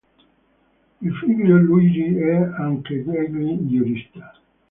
Il figlio Luigi è anch'egli giurista.